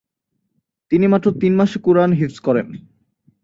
তিনি মাত্র তিন মাসে কুরআন হিফজ করেন।